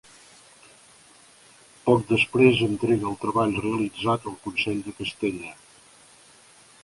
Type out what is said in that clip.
Poc després entrega el treball realitzat al Consell de Castella.